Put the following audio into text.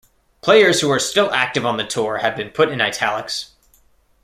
Players who are still active on the tour have been put in "italics".